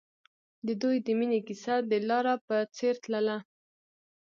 د دوی د مینې کیسه د لاره په څېر تلله.